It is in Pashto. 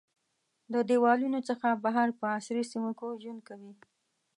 د دیوالونو څخه بهر په عصري سیمو کې ژوند کوي.